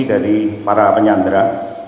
ini dari para penyandra